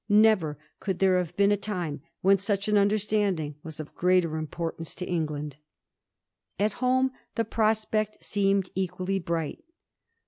Never could there have been a time when such an understanding was of greater importance to England. At home the prospect seemed equally bright.